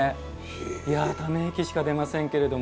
いやため息しか出ませんけれども。